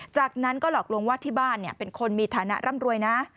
จากนั้นก็หลอกลวงว่าที่บ้านเป็นคนมีฐานะร่ำรวยนะ